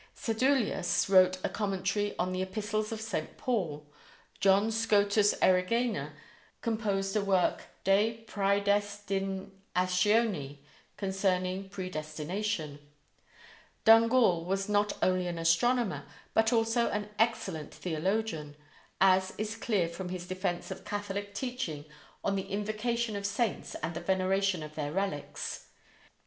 Sedulius wrote a commentary on the Epistles of St. Paul; John Scotus Erigena composed a work, "De Praedestinatione" ("Concerning Predestination"); Dungal was not only an astronomer, but also an excellent theologian, as is clear from his defence of Catholic teaching on the invocation of saints and the veneration of their relics.